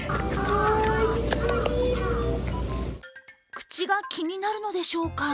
口が気になるのでしょうか。